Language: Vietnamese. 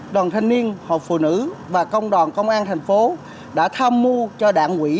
đoàn thanh niên học phụ nữ và công đoàn công an tp cn đã tham mưu cho đảng quỹ